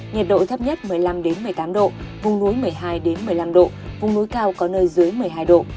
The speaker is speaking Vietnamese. nhiệt độ thấp nhất một mươi năm một mươi tám độ vùng núi một mươi hai một mươi năm độ vùng núi cao có nơi dưới một mươi hai độ